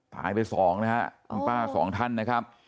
ตายไป๒นะครับน้องป้า๒ท่านนะครับ